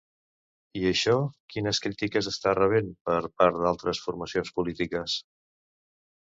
I això quines crítiques està rebent per part d'altres formacions polítiques?